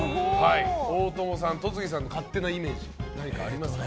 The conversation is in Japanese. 大友さん戸次さんの勝手なイメージ何かありますか？